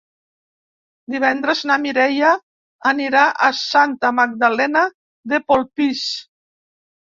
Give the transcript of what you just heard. Divendres na Mireia anirà a Santa Magdalena de Polpís.